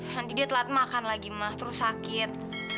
nanti dia telat makan lagi emas terus sakit